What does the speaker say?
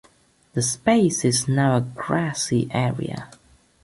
The space is now a grassy area.